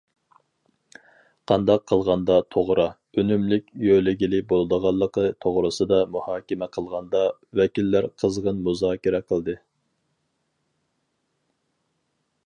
قانداق قىلغاندا توغرا، ئۈنۈملۈك يۆلىگىلى بولىدىغانلىقى توغرىسىدا مۇھاكىمە قىلغاندا، ۋەكىللەر قىزغىن مۇزاكىرە قىلدى.